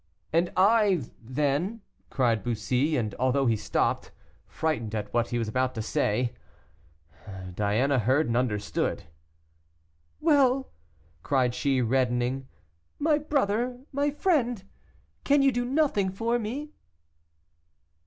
"And I, then " cried Bussy; and, although he stopped, frightened at what he was about to say, Diana heard and understood. "Well!" cried she, reddening, "my brother, my friend, can you do nothing for me?"